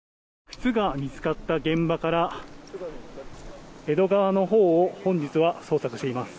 靴が見つかった現場から江戸川のほうを本日は捜索しています。